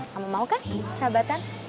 kamu mau kan sahabatan